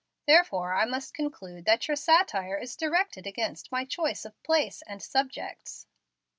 Therefore I must conclude that your satire is directed against my choice of place and subjects."